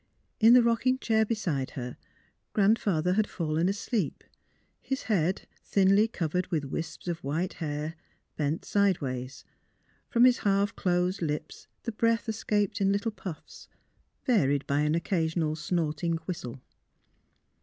In the rocking chair beside her. Grandfather had fallen asleep, his head thinly covered with wisps of white hair bent sidewise ; from his half closed lips the breath escaped in little puffs, varied by an occasional snorting whistle.